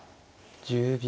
１０秒。